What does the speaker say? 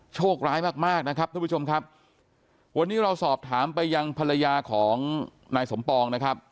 โชคร้ายมากมากนะครับทุกผู้ชมครับวันนี้เราสอบถามไปยังภรรยาของนายสมปองนะครับ